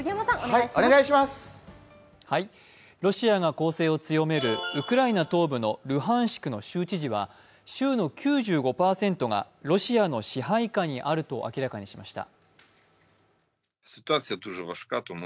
ロシアが攻勢を強めるウクライナ東部のルハンシクの州知事は州の９５％がロシアの支配下にあると明らかにしました。